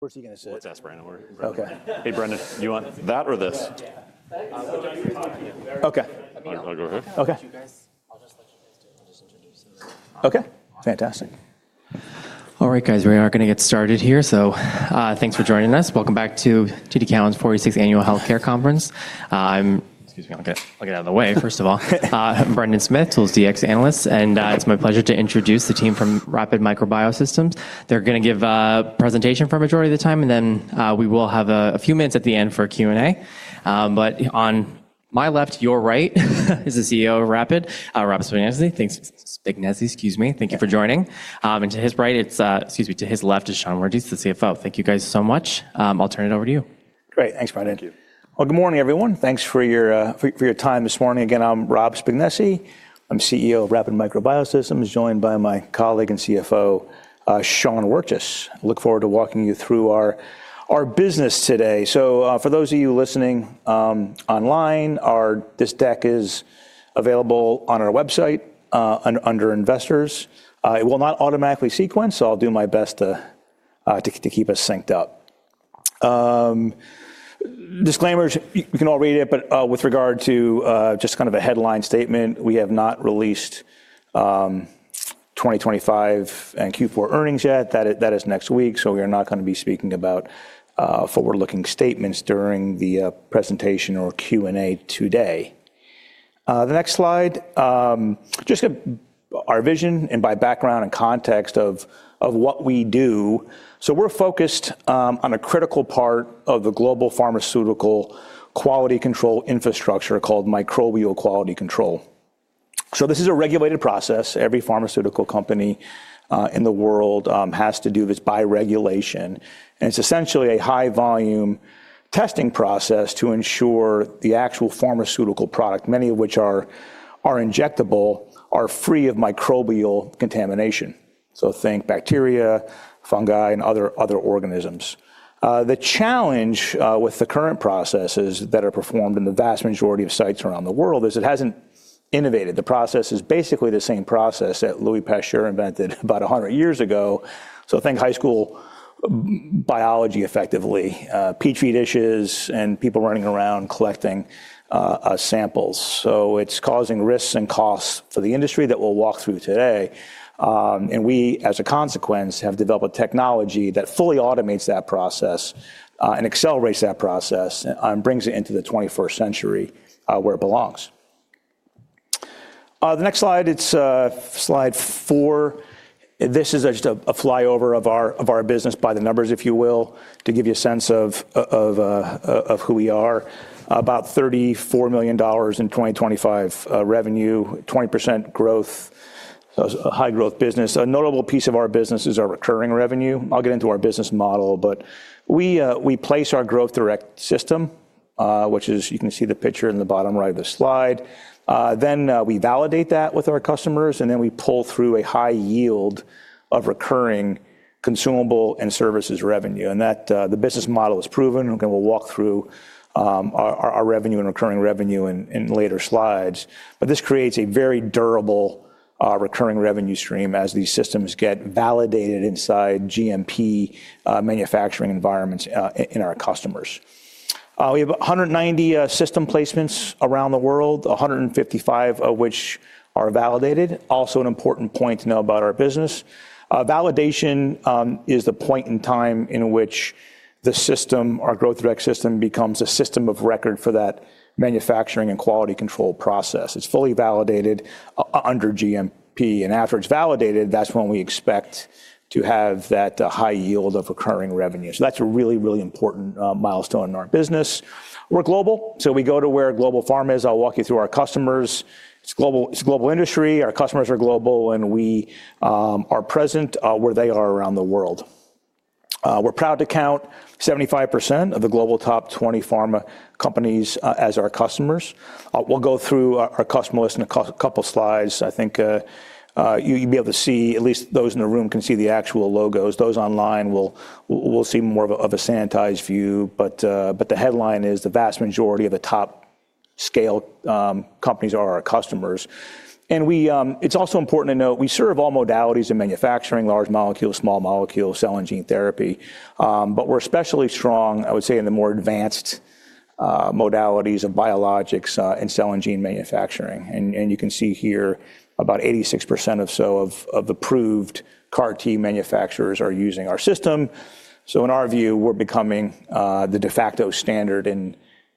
Where's he gonna sit? Let's ask Brendan where. Okay. Hey, Brendan, do you want that or this? Yeah. Okay. I'll go here. Okay. You guys, I'll just let you guys do it. I'll just introduce this. Okay, fantastic. All right, guys, we are gonna get started here. Thanks for joining us. Welcome back to TD Cowen's 46th Annual Health Care Conference. Excuse me, I'll get out of the way first of all. I'm Brendan Smith, Tools/Dx analyst, it's my pleasure to introduce the team from Rapid Micro Biosystems. They're gonna give a presentation for a majority of the time, we will have a few minutes at the end for Q&A. On my left, your right is the CEO of Rapid, Rob Spignesi. Thanks, Spignesi. Excuse me. Thank you for joining. To his right, Excuse me, to his left is Sean Wirtjes, the CFO. Thank you guys so much. I'll turn it over to you. Great. Thanks, Brendan. Thank you. Well, good morning, everyone. Thanks for your time this morning. Again, I'm Rob Spignesi. I'm CEO of Rapid Micro Biosystems, joined by my colleague and CFO, Sean Wirtjes. Look forward to walking you through our business today. For those of you listening online, this deck is available on our website under Investors. It will not automatically sequence, so I'll do my best to keep us synced up. Disclaimers, you can all read it, but with regard to just kind of a headline statement, we have not released 2025 and Q4 earnings yet. That is next week, so we are not gonna be speaking about forward-looking statements during the presentation or Q&A today. The next slide, just our vision and background and context of what we do. We're focused on a critical part of the global pharmaceutical quality control infrastructure called microbial quality control. This is a regulated process. Every pharmaceutical company in the world has to do this by regulation, and it's essentially a high volume testing process to ensure the actual pharmaceutical product, many of which are injectable, are free of microbial contamination. Think bacteria, fungi, and other organisms. The challenge with the current processes that are performed in the vast majority of sites around the world is it hasn't innovated. The process is basically the same process that Louis Pasteur invented about 100 years ago. Think high school biology, effectively, Petri dishes and people running around collecting samples. It's causing risks and costs for the industry that we'll walk through today. We, as a consequence, have developed technology that fully automates that process and accelerates that process and brings it into the 21st century where it belongs. The next slide, it's slide 4. This is just a flyover of our business by the numbers, if you will, to give you a sense of who we are. About $34 million in 2025 revenue, 20% growth, it's a high growth business. A notable piece of our business is our recurring revenue. I'll get into our business model, we place our Growth Direct System, which is, you can see the picture in the bottom right of the slide. Then we validate that with our customers, and then we pull through a high yield of recurring consumable and services revenue. That the business model is proven. Again, we'll walk through our revenue and recurring revenue in later slides. This creates a very durable recurring revenue stream as these systems get validated inside GMP manufacturing environments in our customers. We have 190 system placements around the world, 155 of which are validated. Also an important point to know about our business. Validation is the point in time in which the system, our Growth Direct System, becomes a system of record for that manufacturing and quality control process. It's fully validated under GMP, and after it's validated, that's when we expect to have that high yield of recurring revenue. That's a really, really important milestone in our business. We're global, so we go to where global pharma is. I'll walk you through our customers. It's global, it's a global industry. Our customers are global, and we are present where they are around the world. We're proud to count 75% of the global top 20 pharma companies as our customers. We'll go through our customer list in a couple slides. I think you'll be able to see, at least those in the room can see the actual logos. Those online will see more of a, of a sanitized view. The headline is the vast majority of the top scale companies are our customers. It's also important to note we serve all modalities in manufacturing, large molecules, small molecules, cell and gene therapy. We're especially strong, I would say, in the more advanced modalities of biologics and cell and gene manufacturing. You can see here about 86% or so of approved CAR T manufacturers are using our system. In our view, we're becoming the de facto standard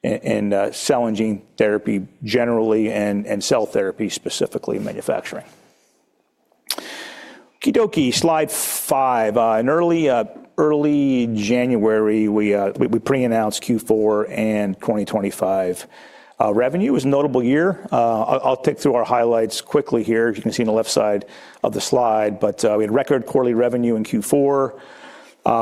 in cell and gene therapy generally and cell therapy specifically in manufacturing. Okey-dokey, slide 5. In early January, we pre-announced Q4 and 2025 revenue. It was a notable year. I'll tick through our highlights quickly here, as you can see on the left side of the slide. We had record quarterly revenue in Q4.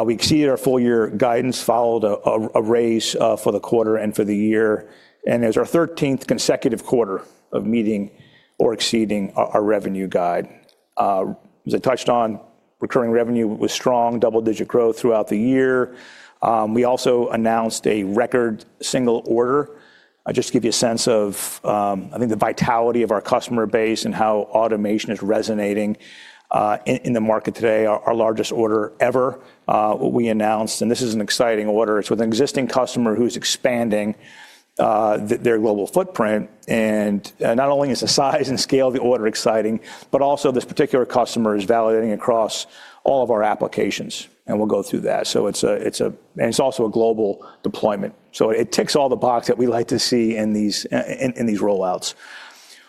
We exceeded our full year guidance, followed a raise for the quarter and for the year. It was our 13th consecutive quarter of meeting or exceeding our revenue guide. As I touched on, recurring revenue was strong, double-digit growth throughout the year. We also announced a record single order. Just to give you a sense of I think the vitality of our customer base and how automation is resonating in the market today, our largest order ever, we announced, and this is an exciting order. It's with an existing customer who's expanding their global footprint, and not only is the size and scale of the order exciting, but also this particular customer is validating across all of our applications, and we'll go through that. It's also a global deployment. It ticks all the boxes that we like to see in these rollouts.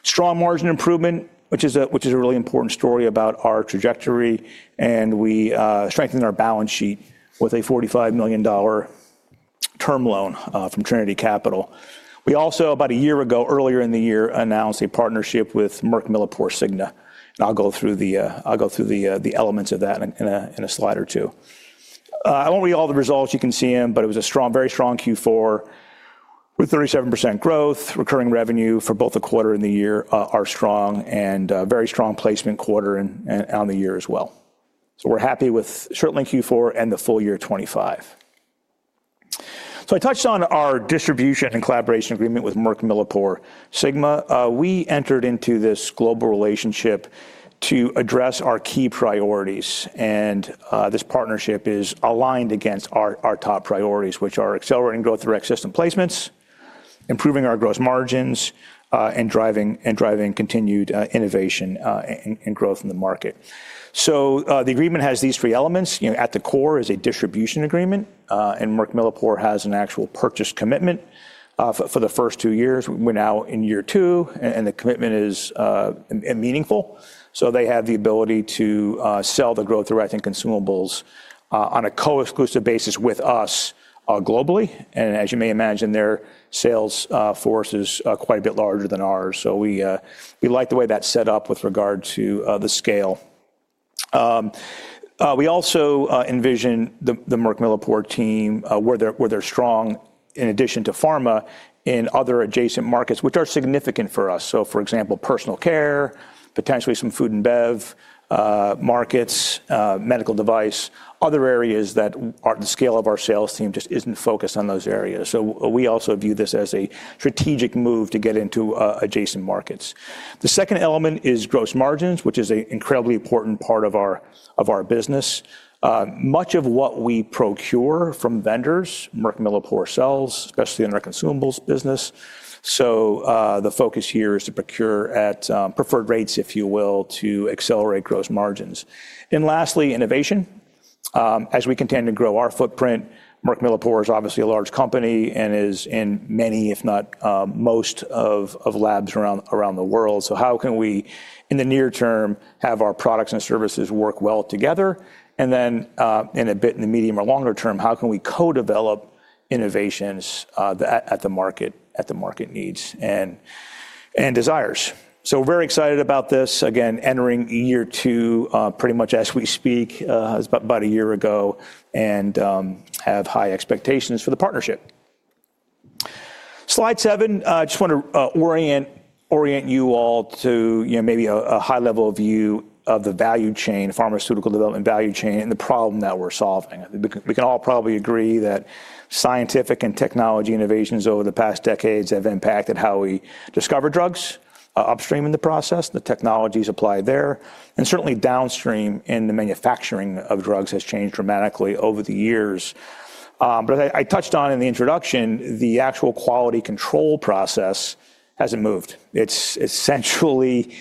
Strong margin improvement, which is a really important story about our trajectory, and we strengthened our balance sheet with a $45 million term loan from Trinity Capital. We also, about a year ago, earlier in the year, announced a partnership with Merck Millipore Sigma. I'll go through the elements of that in a slide or two. I won't read all the results, you can see them. It was a strong, very strong Q4 with 37% growth, recurring revenue for both the quarter and the year are strong and very strong placement quarter and on the year as well. We're happy with certainly Q4 and the full year 2025. I touched on our distribution and collaboration agreement with MilliporeSigma. We entered into this global relationship to address our key priorities, and this partnership is aligned against our top priorities, which are accelerating growth through ecosystem placements, improving our gross margins, and driving continued innovation and growth in the market. The agreement has these three elements. You know, at the core is a distribution agreement, and MilliporeSigma has an actual purchase commitment for the first two years. We're now in year two, and the commitment is meaningful. So they have the ability to sell the Growth through, I think, consumables, on a co-exclusive basis with us, globally. And as you may imagine, their sales force is quite a bit larger than ours. So we like the way that's set up with regard to the scale. We also envision the MilliporeSigma team, where they're strong in addition to pharma in other adjacent markets, which are significant for us. For example, personal care, potentially some food and bev markets, medical device, other areas that our, the scale of our sales team just isn't focused on those areas. We also view this as a strategic move to get into adjacent markets. The second element is gross margins, which is a incredibly important part of our, of our business. Much of what we procure from vendors, MilliporeSigma sells, especially in our consumables business. The focus here is to procure at preferred rates, if you will, to accelerate gross margins. Lastly, innovation. As we continue to grow our footprint, MilliporeSigma is obviously a large company and is in many, if not, most of labs around the world. How can we, in the near term, have our products and services work well together? In a bit, in the medium or longer term, how can we co-develop innovations that at the market needs and desires. Very excited about this. Again, entering year 2, pretty much as we speak, as about a year ago, and have high expectations for the partnership. Slide 7. Just want to orient you all to, you know, maybe a high-level view of the value chain, pharmaceutical development value chain, and the problem that we're solving. We can all probably agree that scientific and technology innovations over the past decades have impacted how we discover drugs, upstream in the process, the technologies applied there, and certainly downstream in the manufacturing of drugs has changed dramatically over the years. I touched on in the introduction, the actual quality control process hasn't moved. It's essentially.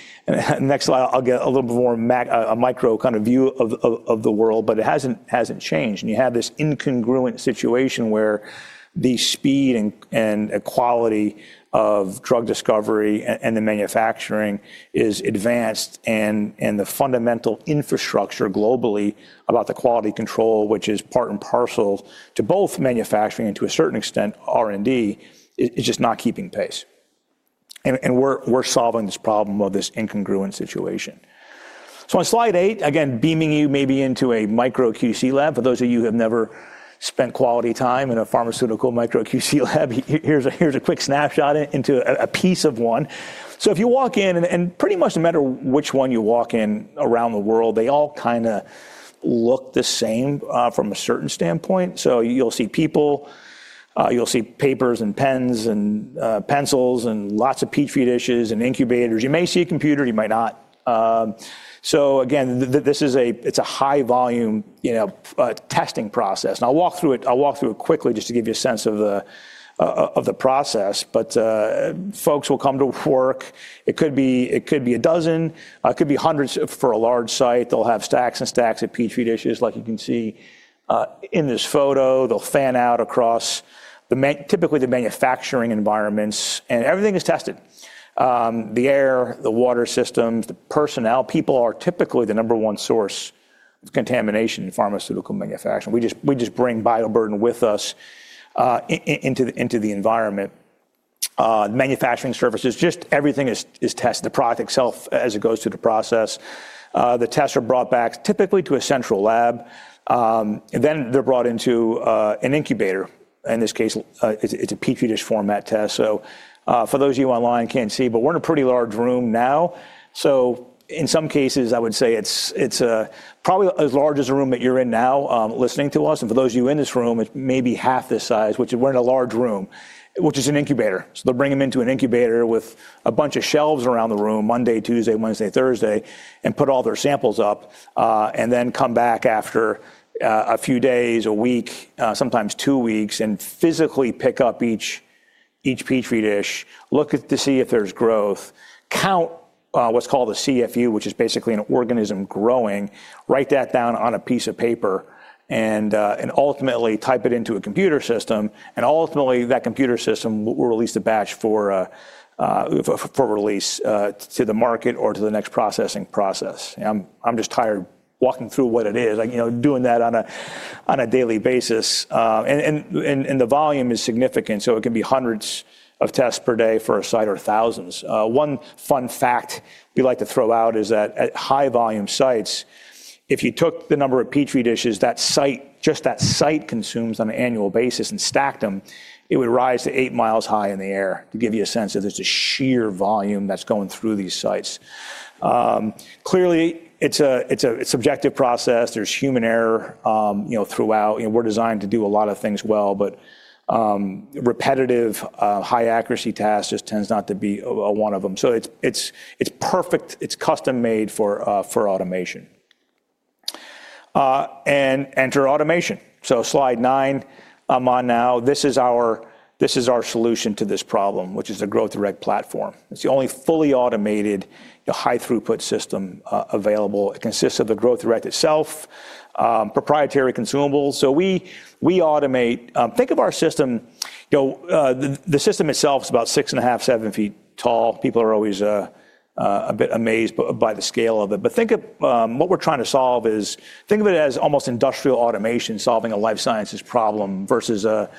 Next slide, I'll get a little bit more a micro kind of view of the world, but it hasn't changed. You have this incongruent situation where the speed and quality of drug discovery and the manufacturing is advanced and the fundamental infrastructure globally about the quality control, which is part and parcel to both manufacturing and to a certain extent R&D, is just not keeping pace. We're solving this problem of this incongruent situation. On slide 8, again, beaming you maybe into a Micro QC lab. For those of you who have never spent quality time in a pharmaceutical Micro QC lab, here's a quick snapshot into a piece of one. If you walk in, and pretty much no matter which one you walk in around the world, they all kind of look the same from a certain standpoint. You'll see people, you'll see papers and pens and pencils and lots of Petri dishes and incubators. You may see a computer, you might not. Again, this is a, it's a high volume, you know, testing process. I'll walk through it, I'll walk through it quickly just to give you a sense of the of the process. Folks will come to work. It could be a dozen, it could be hundreds for a large site. They'll have stacks and stacks of Petri dishes like you can see in this photo. They'll fan out across typically the manufacturing environments. Everything is tested, the air, the water systems, the personnel. People are typically the number one source of contamination in pharmaceutical manufacturing. We just bring bioburden with us, into the environment. Manufacturing services, just everything is tested. The product itself as it goes through the process. The tests are brought back typically to a central lab, and then they're brought into an incubator. In this case, it's a Petri dish format test. For those of you online can't see, but we're in a pretty large room now. In some cases, I would say it's probably as large as the room that you're in now, listening to us. For those of you in this room, it may be half this size, which we're in a large room, which is an incubator. They'll bring them into an incubator with a bunch of shelves around the room, Monday, Tuesday, Wednesday, Thursday, and put all their samples up, and then come back after a few days, a week, sometimes 2 weeks, and physically pick up each Petri dish, look at to see if there's growth, count what's called a CFU, which is basically an organism growing, write that down on a piece of paper and ultimately type it into a computer system. Ultimately, that computer system will release the batch for release to the market or to the next processing process. I'm just tired walking through what it is. Like, you know, doing that on a, on a daily basis, and the volume is significant, so it can be hundreds of tests per day for a site or thousands. One fun fact we like to throw out is at high volume sites, if you took the number of Petri dishes that site, just that site consumes on an annual basis and stacked them, it would rise to 8 miles high in the air, to give you a sense of just the sheer volume that's going through these sites. Clearly it's a, it's a subjective process. There's human error, you know, throughout. You know, we're designed to do a lot of things well, but repetitive, high accuracy tasks just tends not to be one of them. It's, it's perfect, it's custom-made for automation. Enter automation. Slide 9, I'm on now. This is our, this is our solution to this problem, which is the Growth Direct platform. It's the only fully automated, the high throughput system available. It consists of the Growth Direct itself, proprietary consumables. We automate. Think of our system, you know, the system itself is about 6.5, 7 feet tall. People are always a bit amazed by the scale of it. Think of what we're trying to solve as think of it as almost industrial automation solving a life sciences problem versus a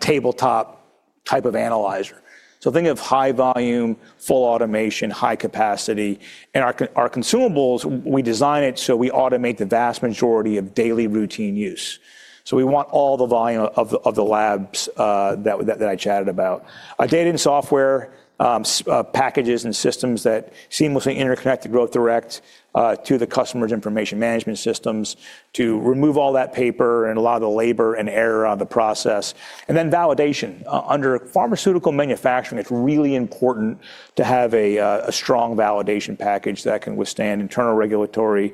tabletop type of analyzer. Think of high volume, full automation, high capacity. Our consumables, we design it so we automate the vast majority of daily routine use. We want all the volume of the labs that I chatted about. Our data and software packages and systems that seamlessly interconnect to Growth Direct, to the customer's information management systems to remove all that paper and a lot of the labor and error out of the process. Validation. Under pharmaceutical manufacturing, it's really important to have a strong validation package that can withstand internal regulatory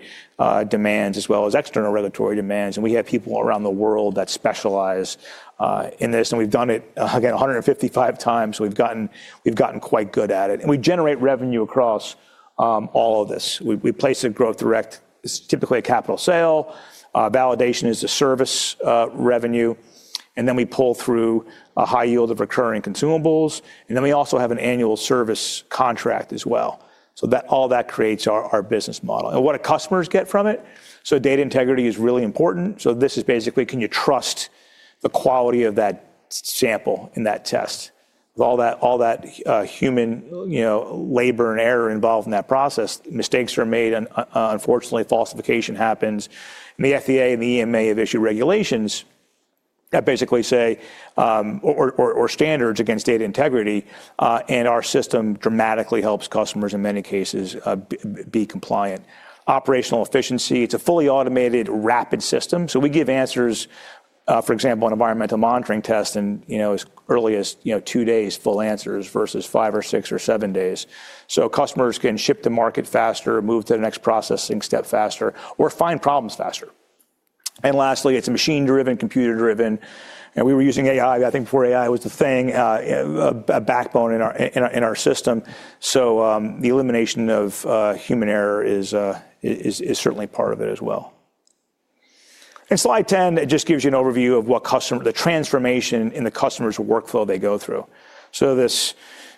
demands as well as external regulatory demands. We have people around the world that specialize in this, and we've done it, again, 155 times. We've gotten quite good at it. We generate revenue across all of this. We place the Growth Direct, it's typically a capital sale. Validation is the service revenue. We pull through a high yield of recurring consumables. We also have an annual service contract as well. All that creates our business model. What do customers get from it? Data integrity is really important. This is basically can you trust the quality of that sample in that test? With all that human, you know, labor and error involved in that process, mistakes are made and unfortunately, falsification happens. The FDA and the EMA have issued regulations that basically say, or standards against data integrity, and our system dramatically helps customers in many cases, be compliant. Operational efficiency. It's a fully automated rapid system, so we give answers, for example, on environmental monitoring tests and, you know, as early as, you know, 2 days full answers versus 5 or 6 or 7 days. Customers can ship to market faster, move to the next processing step faster, or find problems faster. Lastly, it's machine driven, computer driven, and we were using AI, I think before AI was a thing, a backbone in our system. The elimination of human error is certainly part of it as well. In slide 10, it just gives you an overview of what the transformation in the customer's workflow they go through. This,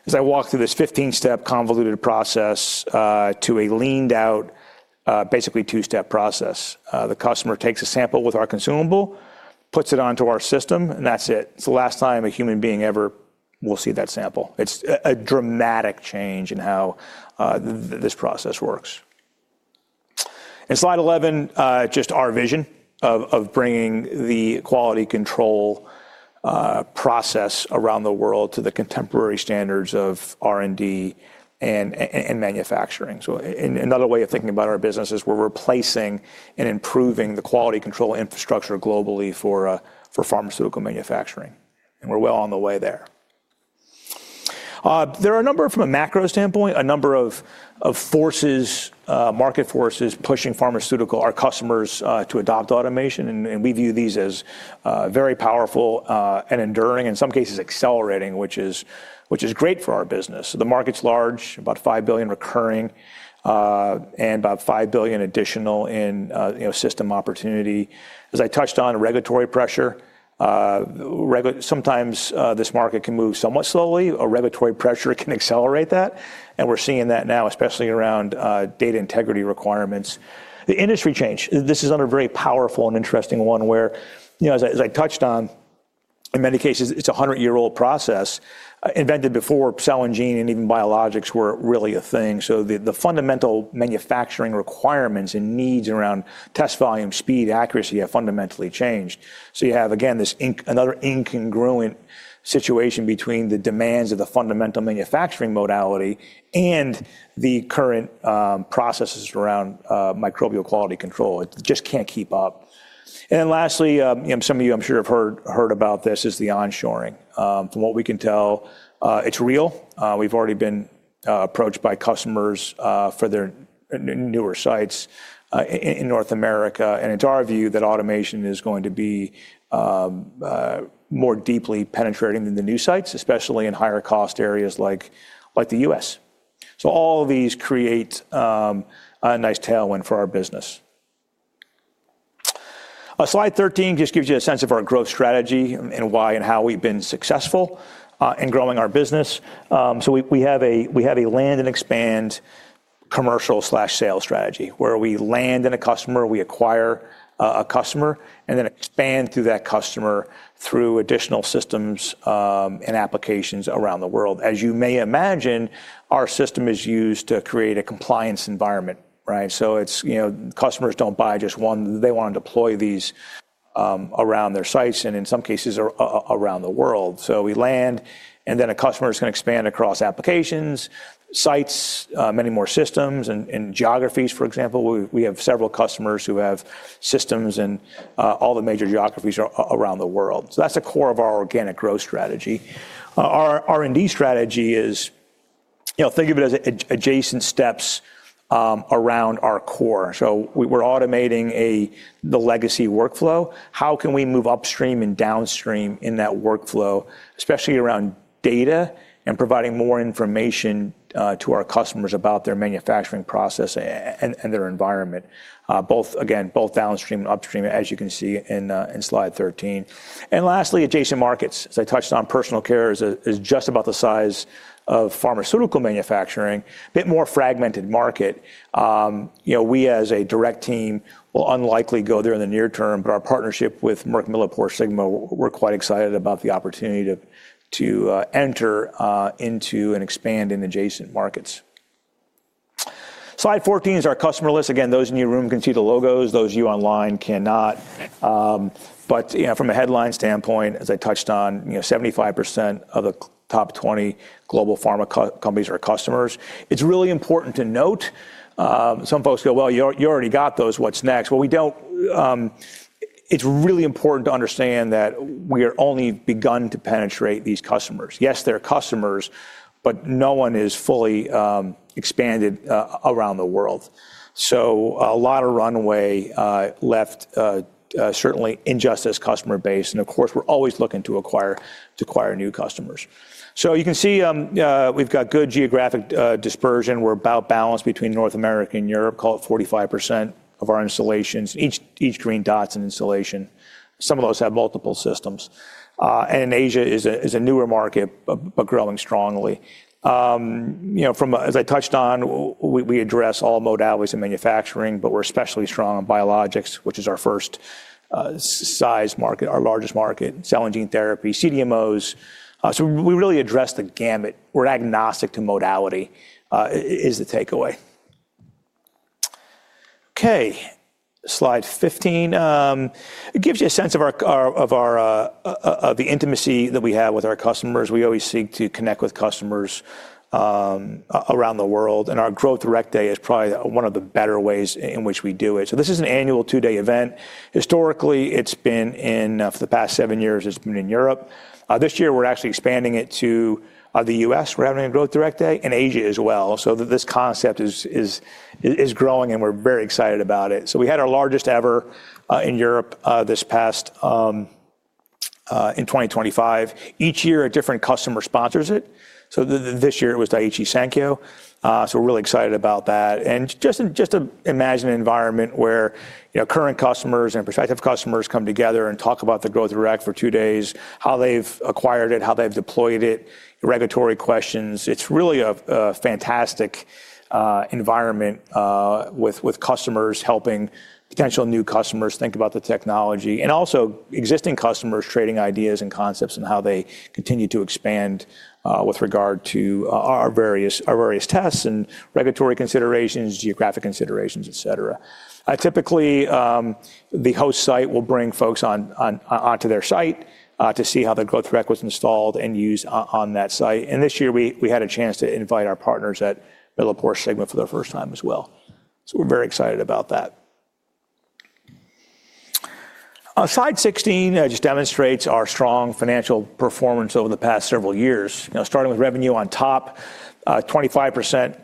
as I walk through this 15-step convoluted process, to a leaned out, basically 2-step process. The customer takes a sample with our consumable, puts it onto our system, and that's it. It's a dramatic change in how this process works. In slide 11, just our vision of bringing the quality control process around the world to the contemporary standards of R&D and manufacturing. Another way of thinking about our business is we're replacing and improving the quality control infrastructure globally for pharmaceutical manufacturing, and we're well on the way there. There are a number, from a macro standpoint, a number of forces, market forces pushing pharmaceutical, our customers, to adopt automation, and we view these as very powerful and enduring, in some cases accelerating, which is great for our business. The market's large, about $5 billion recurring, and about $5 billion additional in, you know, system opportunity. As I touched on, regulatory pressure. Sometimes, this market can move somewhat slowly. A regulatory pressure can accelerate that, and we're seeing that now, especially around data integrity requirements. The industry change. This is under a very powerful and interesting one where, you know, as I, as I touched on, in many cases, it's a hundred-year-old process invented before cell and gene and even biologics were really a thing. The fundamental manufacturing requirements and needs around test volume, speed, accuracy have fundamentally changed. You have, again, this another incongruent situation between the demands of the fundamental manufacturing modality and the current processes around microbial quality control. It just can't keep up. Lastly, you know, some of you, I'm sure, have heard about this, is the onshoring. From what we can tell, it's real. We've already been approached by customers for their newer sites in North America. It's our view that automation is going to be more deeply penetrating in the new sites, especially in higher cost areas like the US. All of these create a nice tailwind for our business. Slide 13 just gives you a sense of our growth strategy and why and how we've been successful in growing our business. We have a land and expand commercial/sales strategy where we land in a customer, we acquire a customer, and then expand through that customer through additional systems and applications around the world. As you may imagine, our system is used to create a compliance environment, right? So it's, you know, customers don't buy just one. They wanna deploy these around their sites and in some cases around the world. So we land, and then a customer's gonna expand across applications, sites, many more systems and geographies, for example. We have several customers who have systems in all the major geographies around the world. So that's the core of our organic growth strategy. Our R&D strategy is, you know, think of it as adjacent steps around our core. So we're automating the legacy workflow. How can we move upstream and downstream in that workflow, especially around data and providing more information to our customers about their manufacturing process and their environment? Both again, both downstream and upstream, as you can see in slide 13. Lastly, adjacent markets. As I touched on, personal care is just about the size of pharmaceutical manufacturing. A bit more fragmented market. You know, we as a direct team will unlikely go there in the near term, but our partnership with Merck MilliporeSigma, we're quite excited about the opportunity to enter into and expand in adjacent markets. Slide 14 is our customer list. Those in your room can see the logos. Those of you online cannot. You know, from a headline standpoint, as I touched on, you know, 75% of the top 20 global pharma companies are customers. It's really important to note, some folks go, "Well, you already got those. What's next?" Well, we don't. It's really important to understand that we have only begun to penetrate these customers. Yes, they're customers, but no one is fully expanded around the world. A lot of runway left certainly in just this customer base, and of course, we're always looking to acquire new customers. You can see we've got good geographic dispersion. We're about balanced between North America and Europe, call it 45% of our installations. Each green dot's an installation. Some of those have multiple systems. Asia is a newer market but growing strongly. You know, from, as I touched on, we address all modalities in manufacturing, but we're especially strong on biologics, which is our first size market, our largest market, cell and gene therapy, CDMOs. We really address the gamut. We're agnostic to modality, is the takeaway. Slide 15, it gives you a sense of our intimacy that we have with our customers. We always seek to connect with customers around the world, our Growth Direct Day is probably one of the better ways in which we do it. This is an annual 2-day event. Historically, for the past 7 years, it's been in Europe. This year we're actually expanding it to the U.S. We're having a Growth Direct Day in Asia as well. This concept is growing, we're very excited about it. We had our largest ever in Europe this past in 2025. Each year, a different customer sponsors it. This year it was Daiichi Sankyo. We're really excited about that. Just imagine an environment where, you know, current customers and prospective customers come together and talk about the Growth Direct for two days, how they've acquired it, how they've deployed it, regulatory questions. It's really a fantastic environment with customers helping potential new customers think about the technology and also existing customers trading ideas and concepts and how they continue to expand with regard to our various, our various tests and regulatory considerations, geographic considerations, et cetera. Typically, the host site will bring folks onto their site to see how the Growth Direct was installed and used on that site. This year we had a chance to invite our partners at MilliporeSigma for the first time as well. We're very excited about that. Slide 16 just demonstrates our strong financial performance over the past several years. You know, starting with revenue on top, 25%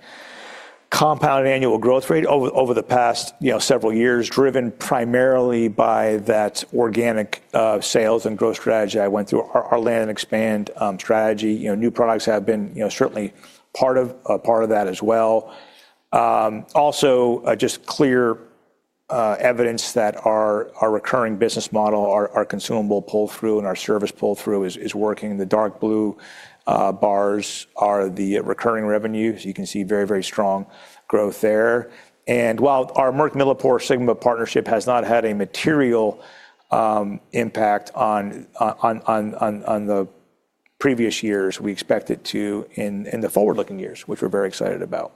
compounded annual growth rate over the past, you know, several years, driven primarily by that organic sales and growth strategy I went through. Our land and expand strategy. You know, new products have been, you know, certainly part of that as well. Also, just clear evidence that our recurring business model, our consumable pull-through and our service pull-through is working. The dark blue bars are the recurring revenues. You can see very strong growth there. While our Merck MilliporeSigma partnership has not had a material impact on the previous years, we expect it to in the forward-looking years, which we're very excited about.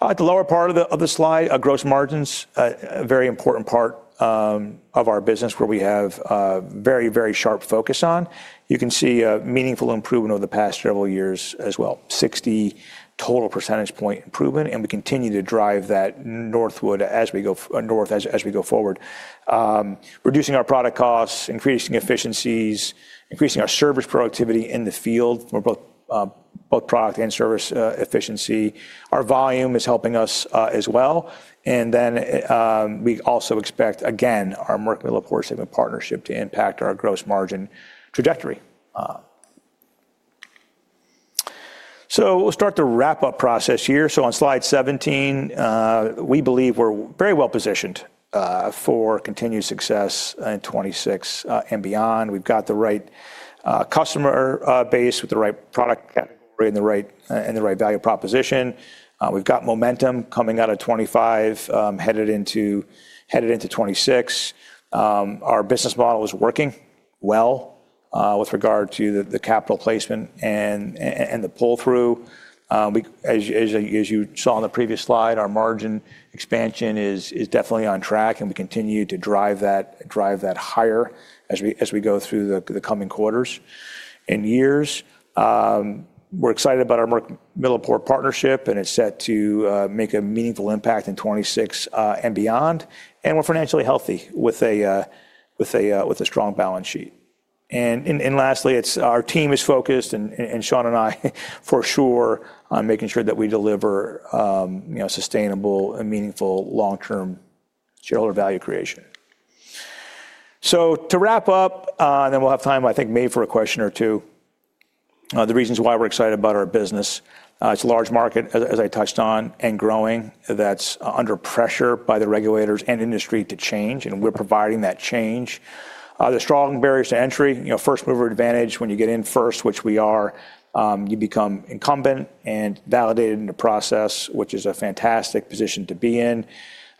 At the lower part of the slide, our gross margins, a very important part of our business where we have a very, very sharp focus on. You can see a meaningful improvement over the past several years as well. 60 total percentage point improvement, we continue to drive that northward as we go north as we go forward. Reducing our product costs, increasing efficiencies, increasing our service productivity in the field. We're both product and service efficiency. Our volume is helping us as well. We also expect, again, our Merck Millipore segment partnership to impact our gross margin trajectory. We'll start the wrap-up process here. On slide 17, we believe we're very well-positioned for continued success in 2026 and beyond. We've got the right customer base with the right product category and the right value proposition. We've got momentum coming out of 2025 headed into 2026. Our business model is working well with regard to the capital placement and the pull-through. As you saw on the previous slide, our margin expansion is definitely on track, and we continue to drive that higher as we go through the coming quarters and years. We're excited about our MilliporeSigma partnership, and it's set to make a meaningful impact in 2026 and beyond. We're financially healthy with a strong balance sheet. Lastly, it's our team is focused and Sean and I for sure on making sure that we deliver, you know, sustainable and meaningful long-term shareholder value creation. To wrap up, then we'll have time, I think, maybe for a question or two. The reasons why we're excited about our business. It's a large market, as I touched on, and growing that's under pressure by the regulators and industry to change, and we're providing that change. The strong barriers to entry, you know, first-mover advantage when you get in first, which we are, you become incumbent and validated in the process, which is a fantastic position to be in.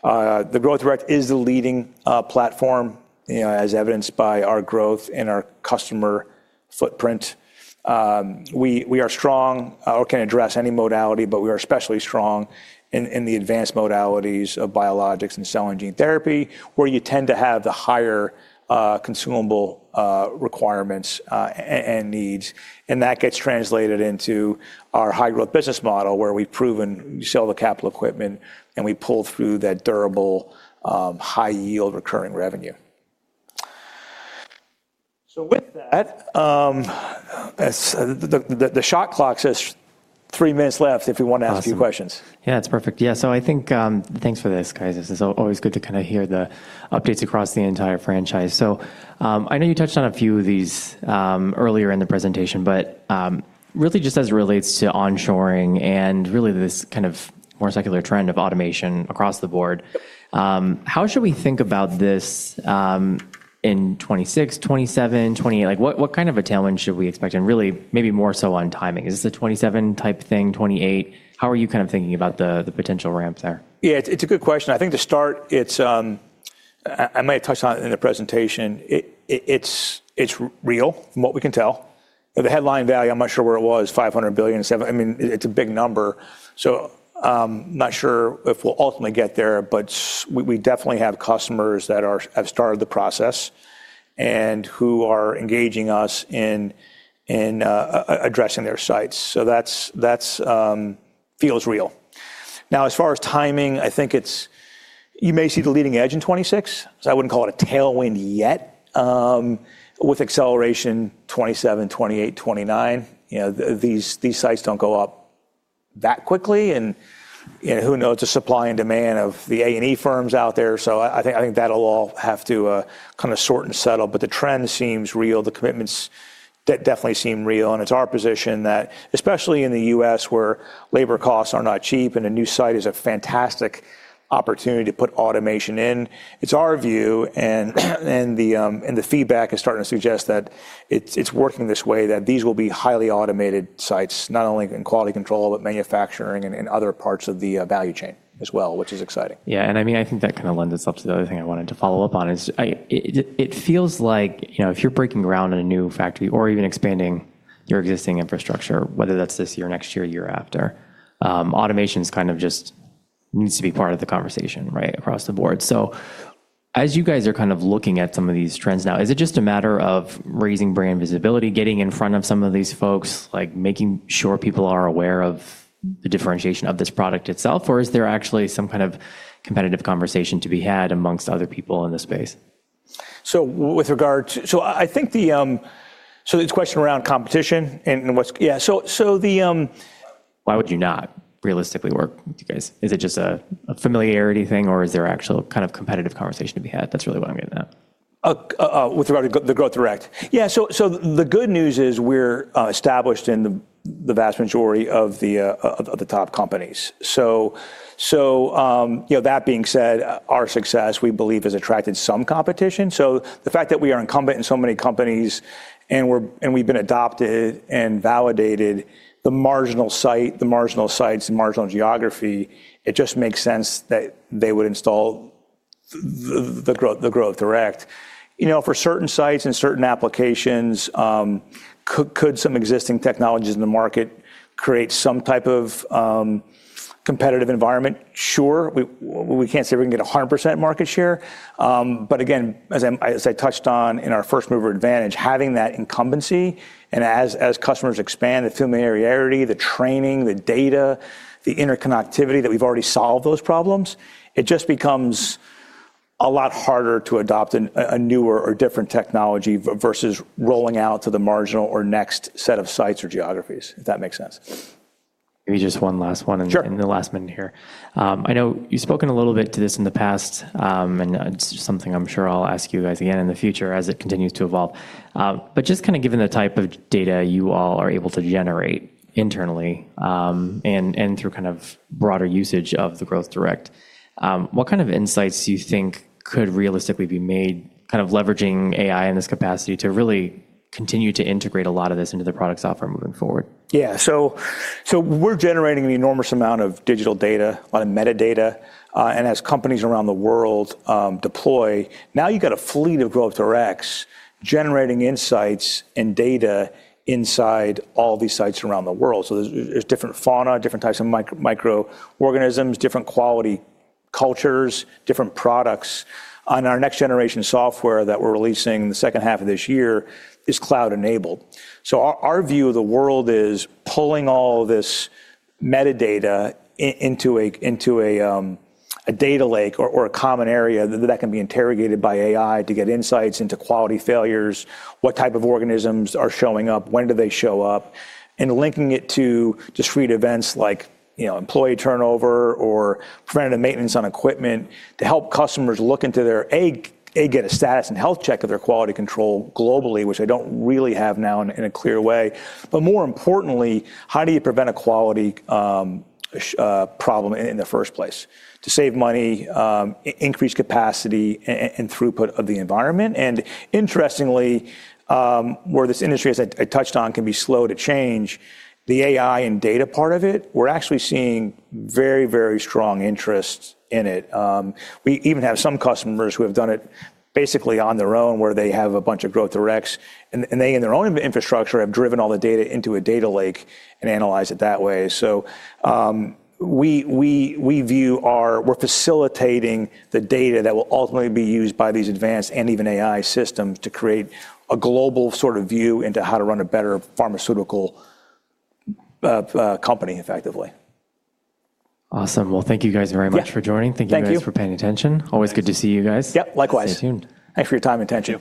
The Growth Direct is the leading platform, you know, as evidenced by our growth and our customer footprint. We are strong or can address any modality, but we are especially strong in the advanced modalities of biologics and cell and gene therapy, where you tend to have the higher consumable requirements and needs. That gets translated into our high-growth business model, where we've proven we sell the capital equipment, and we pull through that durable high-yield recurring revenue. With that, as the shot clock says three minutes left, if you wanna ask a few questions. Yeah, that's perfect. Yeah. I think, thanks for this, guys. This is always good to kind of hear the updates across the entire franchise. I know you touched on a few of these earlier in the presentation, but really just as it relates to onshoring and really this kind of more secular trend of automation across the board, how should we think about this in 2026, 2027, 2028? Like, what kind of a tailwind should we expect? Really maybe more so on timing. Is this a 2027 type thing, 2028? How are you kind of thinking about the potential ramp there? Yeah, it's a good question. I think to start, it's, I might have touched on it in the presentation. It's real, from what we can tell. The headline value, I'm not sure where it was, $500 billion, 7. I mean, it's a big number. Not sure if we'll ultimately get there, but we definitely have customers that have started the process and who are engaging us in addressing their sites. That's feels real. Now, as far as timing, I think it's You may see the leading edge in 2026, so I wouldn't call it a tailwind yet. With acceleration, 2027, 2028, 2029. You know, these sites don't go up that quickly. You know, who knows the supply and demand of the A&E firms out there. I think that'll all have to kinda sort and settle. The trend seems real. The commitments definitely seem real. It's our position that especially in the US, where labor costs are not cheap and a new site is a fantastic opportunity to put automation in, it's our view and the feedback is starting to suggest that it's working this way, that these will be highly automated sites, not only in quality control, but manufacturing and in other parts of the value chain as well, which is exciting. Yeah. I mean, I think that kind of lends itself to the other thing I wanted to follow up on is it feels like, you know, if you're breaking ground in a new factory or even expanding your existing infrastructure, whether that's this year, next year after, automation's kind of just needs to be part of the conversation, right, across the board. As you guys are kind of looking at some of these trends now, is it just a matter of raising brand visibility, getting in front of some of these folks, like making sure people are aware of the differentiation of this product itself, or is there actually some kind of competitive conversation to be had amongst other people in this space? With regard to... I think the... It's a question around competition and what's... Yeah. The... Why would you not realistically work with you guys? Is it just a familiarity thing, or is there actual kind of competitive conversation to be had? That's really what I'm getting at. With regard to the Growth Direct. Yeah. The good news is we're established in the vast majority of the top companies. You know, that being said, our success, we believe, has attracted some competition. The fact that we are incumbent in so many companies and we've been adopted and validated the marginal site, the marginal sites, the marginal geography, it just makes sense that they would install the Growth Direct. You know, for certain sites and certain applications, could some existing technologies in the market create some type of competitive environment? Sure. We can't say we can get 100% market share. Again, as I touched on in our first-mover advantage, having that incumbency and as customers expand the familiarity, the training, the data, the interconnectivity that we've already solved those problems, it just becomes a lot harder to adopt a newer or different technology versus rolling out to the marginal or next set of sites or geographies, if that makes sense. Maybe just one last one. Sure. -in, in the last minute here. I know you've spoken a little bit to this in the past, and it's something I'm sure I'll ask you guys again in the future as it continues to evolve. Just kinda given the type of data you all are able to generate internally, and through kind of broader usage of the Growth Direct, what kind of insights do you think could realistically be made kind of leveraging AI in this capacity to really continue to integrate a lot of this into the product software moving forward? Yeah. We're generating an enormous amount of digital data, lot of metadata, and as companies around the world deploy, now you've got a fleet of Growth Directs generating insights and data inside all these sites around the world. There's different fauna, different types of microorganisms, different quality cultures, different products. On our next generation software that we're releasing in the second half of this year is cloud-enabled. Our view of the world is pulling all this metadata into a data lake or a common area that can be interrogated by AI to get insights into quality failures, what type of organisms are showing up, when do they show up, and linking it to discrete events like, you know, employee turnover or preventative maintenance on equipment to help customers look into their, A, get a status and health check of their quality control globally, which they don't really have now in a clear way. More importantly, how do you prevent a quality problem in the first place? To save money, increase capacity and throughput of the environment. Interestingly, where this industry, as I touched on, can be slow to change, the AI and data part of it, we're actually seeing very, very strong interest in it. We even have some customers who have done it basically on their own, where they have a bunch of Growth Directs, and they in their own infrastructure, have driven all the data into a data lake and analyze it that way. We're facilitating the data that will ultimately be used by these advanced and even AI systems to create a global sort of view into how to run a better pharmaceutical company effectively. Awesome. Well, thank you guys very much for joining. Yeah. Thank you. Thank you guys for paying attention. Always good to see you guys. Yep, likewise. Stay tuned. Thanks for your time and attention.